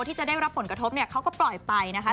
ที่จะได้รับผลกระทบเนี่ยเขาก็ปล่อยไปนะคะ